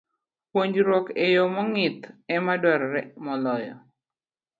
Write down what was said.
Puonjruok e yo mong'ith ema dwarore moloyo